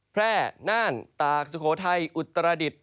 แพร่น่านตากสุโขทัยอุตรดิษฐ